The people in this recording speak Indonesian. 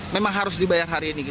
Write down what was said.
memang harus dibayar hari ini gitu